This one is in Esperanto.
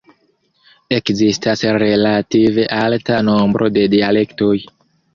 Ekzistas relative alta nombro de dialektoj.